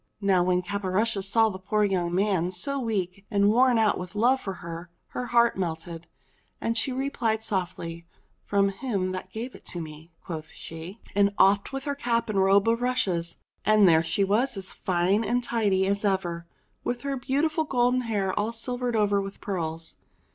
Now when Caporushes saw the poor young man so weak and worn with love for her, her heart melted, and she replied softly : "From him that gave it me," quoth she, and offed with her cap and robe of rushes, and there she was as fine and tidy as ever with her beautiful golden hair all silvered over with pearls.